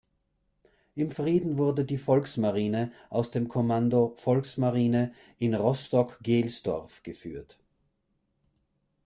Im Frieden wurde die Volksmarine aus dem Kommando Volksmarine in Rostock-Gehlsdorf geführt.